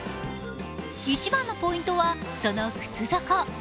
一番のポイントはその靴底。